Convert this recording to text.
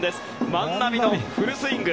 万波のフルスイング。